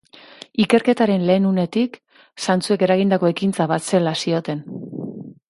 Ikerketaren lehen unetik, zantzuek eragindako ekintza bat zela zioten.